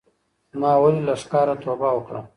ما ولې له ښکاره توبه وکړه